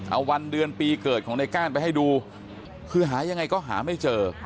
เอาวันเดือนปีเกิดของในก้านไปให้ดูคือหายังไงก็หาไม่เจอ